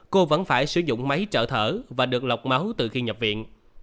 cô vẫn phải sử dụng máy trợ thở và được lọc máu từ khi nhập viện